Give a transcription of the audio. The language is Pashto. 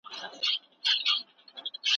دویني ډول معلومول انسان ته لارښوونه ورکوي.